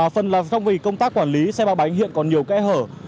phần là do công tác quản lý xe ba bánh hiện còn nhiều kẽ hở